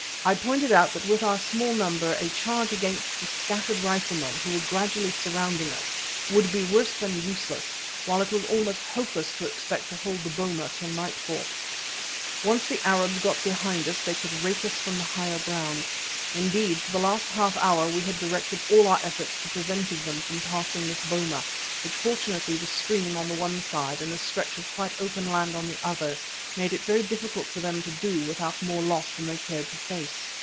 I pointed out that with our small number a charge against the scattered riflemen, who were gradually surrounding us, would be worse than useless, while it was almost hopeless to expect to hold the boma till nightfall. Once the Arabs got behind us, they could rake us from the higher ground. Indeed, for the last half hour we had directed all our efforts to preventing them from passing this boma, which, fortunately, the stream on the one side and a stretch of quite open land on the other made it very difficult for them to do without more loss than they cared to face.